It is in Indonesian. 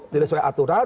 tidak sesuai aturan